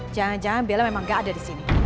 jangan jangan bella memang gak ada di sini